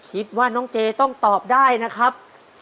คิดว่าน้องเจต้องตอบได้นะครับ